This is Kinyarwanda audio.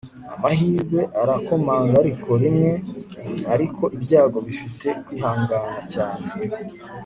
amahirwe arakomanga ariko rimwe, ariko ibyago bifite kwihangana cyane